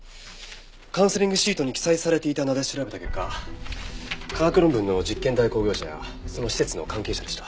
カウンセリングシートに記載されていた名で調べた結果科学論文の実験代行業者やその施設の関係者でした。